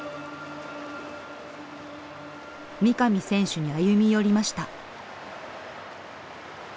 三上選手に歩み寄りました。